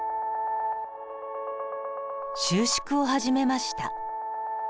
収縮を始めました。